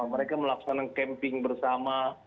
mereka melaksanakan camping bersama